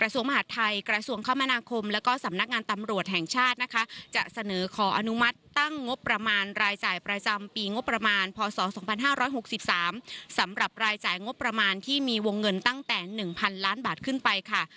สำหรับรายจ่ายงบประมาณที่มีวงเงินตั้งแต่๑๐๐๐ล้านบาทขึ้นไปค่ะ